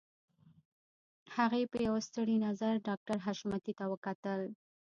هغې په يوه ستړي نظر ډاکټر حشمتي ته وکتل.